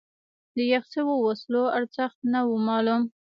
د ښخ شوو وسلو ارزښت نه و معلوم.